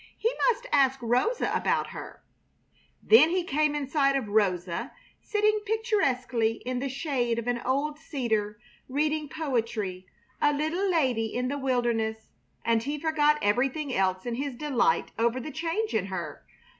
He must ask Rosa about her. Then he came in sight of Rosa sitting picturesquely in the shade of an old cedar, reading poetry, a little lady in the wilderness, and he forgot everything else in his delight over the change in her.